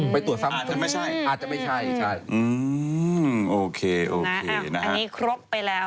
ไปตรวจซ้ำ๒๓โรควันอาจจะไม่ใช่อืมโอเคนะฮะอันนี้ครบไปแล้ว